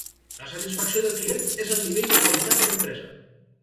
La satisfacció del client és el nivell de qualitat de l'empresa.